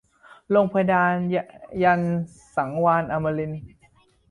ลงเพดานยันต์สังวาลอัมรินทร์